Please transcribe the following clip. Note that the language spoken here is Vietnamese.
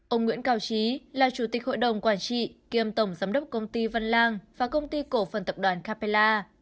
ông nguyễn cao trí là chủ tịch hội đồng quản trị kiêm tổng giám đốc công ty văn lang và công ty cổ phần tập đoàn capella